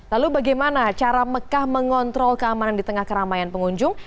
lalu bagaimana cara mekah mengontrol keamanan di tengah keramaian pengunjung